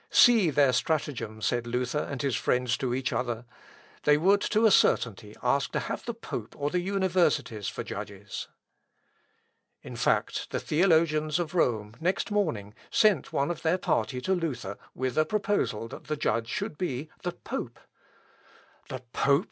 "See their stratagem," said Luther and his friends to each other. "They would to a certainty ask to have the pope or the universities for judges." In fact, the theologians of Rome, next morning, sent one of their party to Luther, with a proposal that the judge should be ... the pope!... "The pope!"